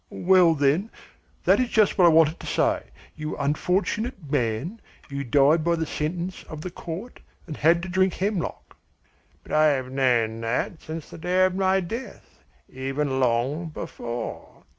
"Well, then, that is just what I wanted to say. You unfortunate man, you died by the sentence of the court and had to drink hemlock!" "But I have known that since the day of my death, even long before.